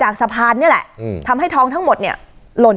แล้วก็ไปซ่อนไว้ในคานหลังคาของโรงรถอีกทีนึง